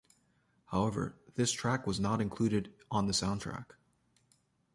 However this track was not included on the soundtrack.